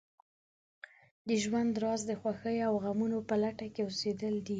د ژوند راز د خوښیو او غمو په لټه کې اوسېدل دي.